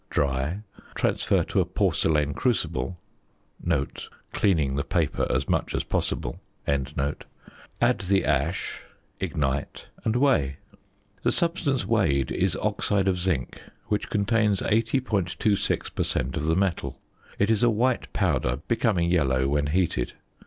Dry, transfer to a porcelain crucible (cleaning the paper as much as possible), add the ash, ignite, and weigh. The substance weighed is oxide of zinc, which contains 80.26 per cent. of the metal. It is a white powder, becoming yellow when heated.